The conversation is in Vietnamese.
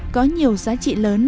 có nhiều giá trị lớn